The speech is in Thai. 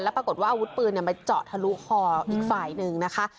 ปรากฏว่าอาวุธปืนมาเจาะทะลุคออีกฝ่ายหนึ่งนะคะ